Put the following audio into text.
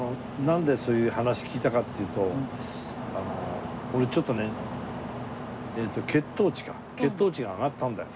なんでそういう話聞いたかっていうとあの俺ちょっとね血糖値か血糖値が上がったんだよ